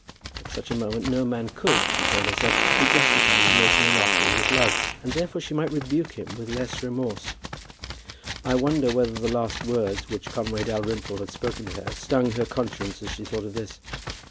At such a moment no man could, she told herself, be justified in making an offer of his love, and therefore she might rebuke him with the less remorse. I wonder whether the last words which Conway Dalrymple had spoken to her stung her conscience as she thought of this!